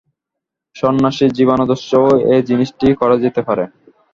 সন্ন্যাসী-জীবনাদর্শেও এ জিনিষটি করা যেতে পারে।